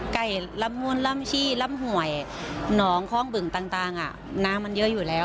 ไก่ลำมวลล่ำชี่ล่ำหวยหนองค่องบึงต่างน้ำมันเยอะอยู่แล้ว